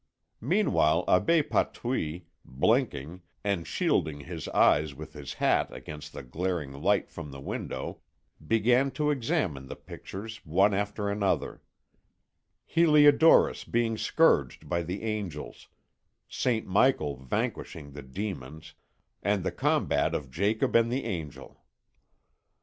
Meanwhile Abbé Patouille, blinking, and shielding his eyes with his hat against the glaring light from the window, began to examine the pictures one after another: Heliodorus being scourged by the angels, St. Michael vanquishing the Demons, and the combat of Jacob and the Angel.